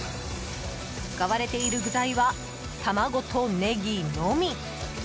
使われている具材は卵とネギのみ。